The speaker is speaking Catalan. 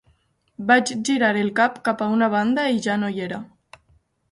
Vaig girar el cap cap a una banda i ja no hi era.